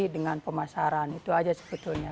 dengan pemasaran itu aja sebetulnya